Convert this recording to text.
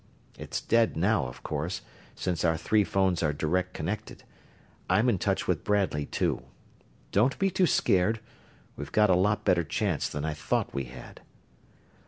It's dead now, of course, since our three phones are direct connected; I'm in touch with Bradley, too. Don't be too scared; we've got a lot better chance that I thought we had."